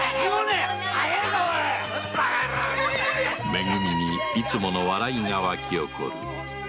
め組にいつもの笑いがわき起こる